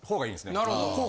なるほど。